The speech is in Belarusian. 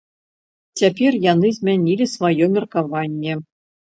Цяпер яны змянілі сваё меркаванне.